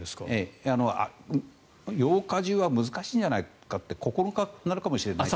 ８日中は難しいんじゃないかって９日になるかもしれない。